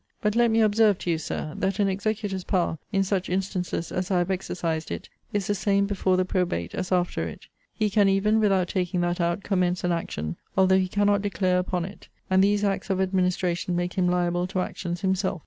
But let me observe to you, Sir, 'That an executor's power, in such instances as I have exercised it, is the same before the probate as after it. He can even, without taking that out, commence an action, although he cannot declare upon it: and these acts of administration make him liable to actions himself.'